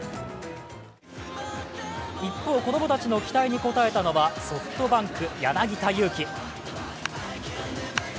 一方、子供たちの期待に応えたのはソフトバンク・柳田悠岐。